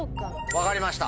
分かりました。